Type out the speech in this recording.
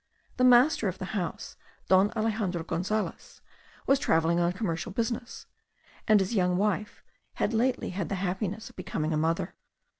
The master of the house, Don Alexandro Gonzales, was travelling on commercial business, and his young wife had lately had the happiness of becoming a mother.